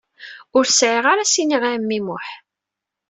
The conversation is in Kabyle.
Ur sɛiɣ ara s-iniɣ i ɛemmi Muḥ.